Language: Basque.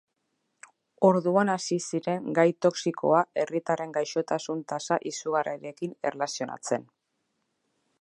Orduan hasi ziren gai toxikoa herritarren gaixotasun tasa izugarriarekin erlazionatzen.